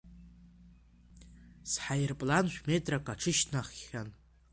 Сҳаирплан шә-метрак аҽышьҭнаххьан.